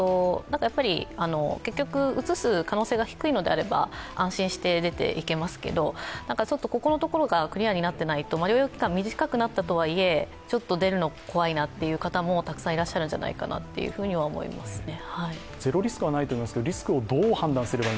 結局うつす可能性が低いのであれば、安心して出て行けますけどここのところがクリアになっていないと、療養期間が短くなったとはいえちょっと出るの怖いなという方もたくさんいらっしゃるんじゃないのかなと思いますね。